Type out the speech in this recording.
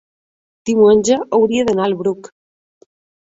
diumenge hauria d'anar al Bruc.